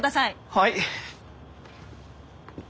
はい。